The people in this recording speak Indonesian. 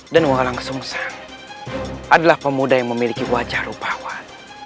dan walangsungsang adalah pemuda yang memiliki wajah rupa awal